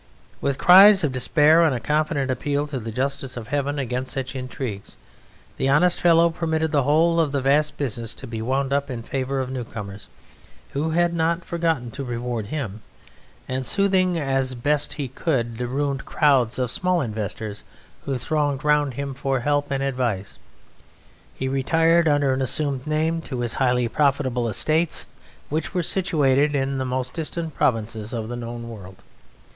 With cries of despair and a confident appeal to the justice of Heaven against such intrigues, the honest fellow permitted the whole of the vast business to be wound up in favour of newcomers, who had not forgotten to reward him, and soothing as best he could the ruined crowds of small investors who thronged round him for help and advice, he retired under an assumed name to his highly profitable estates, which were situated in the most distant provinces of the known world.